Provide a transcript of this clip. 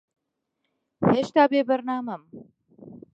ھێشتا بێبەرنامەم.